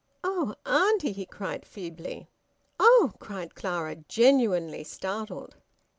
"Oh, auntie!" he cried feebly. "Oh!" cried Clara, genuinely startled.